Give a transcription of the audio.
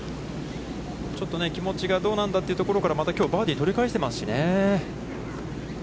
ちょっと気持ちがどうなんだというところから、またきょうバーディーを取り返していますしね。